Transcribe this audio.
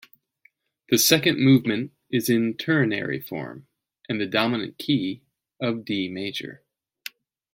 The second movement is in ternary form and the dominant key of D major.